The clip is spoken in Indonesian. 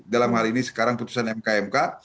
dalam hal ini sekarang putusan mk mk